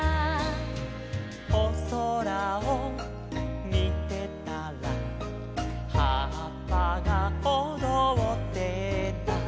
「おそらをみてたらはっぱがおどってた」